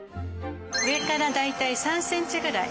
上から大体３ｃｍぐらい。